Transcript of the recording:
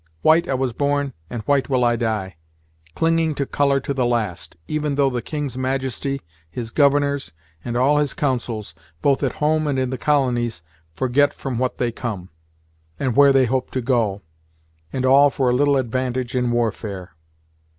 White I was born, and white will I die; clinging to color to the last, even though the King's majesty, his governors, and all his councils, both at home and in the colonies, forget from what they come, and where they hope to go, and all for a little advantage in warfare.